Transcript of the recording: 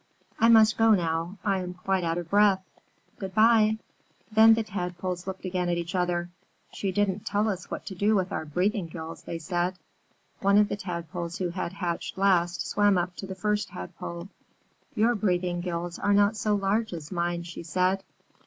I must go now. I am quite out of breath. Good bye!" Then the Tadpoles looked again at each other. "She didn't tell us what to do with our breathing gills," they said. One of the Tadpoles who had hatched last, swam up to the First Tadpole. "Your breathing gills are not so large as mine," she said.